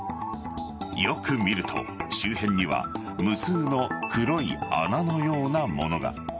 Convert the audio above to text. よく見ると周辺には無数の黒い穴のようなものが。